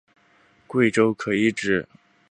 贵州可以指